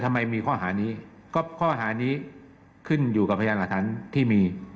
ทำไมมีข้อหานี้ก็ข้อหานี้ขึ้นอยู่กับพยานหลักฐานที่มี